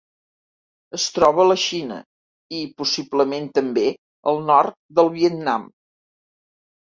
Es troba a la Xina i, possiblement també, al nord del Vietnam.